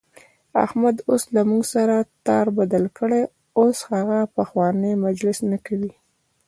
احمد اوس له موږ سره تار بدل کړی، اوس هغه پخوانی مجلس نه کوي.